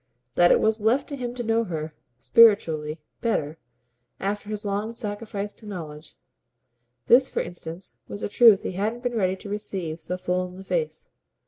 That it was left to him to know her, spiritually, "better" after his long sacrifice to knowledge this for instance was a truth he hadn't been ready to receive so full in the face.